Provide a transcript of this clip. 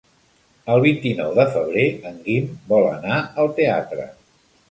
El vint-i-nou de febrer en Guim vol anar al teatre.